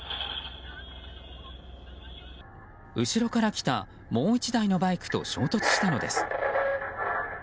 後ろから来たもう１台のバイクと衝突したのです。